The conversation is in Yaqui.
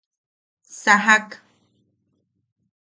Sajak.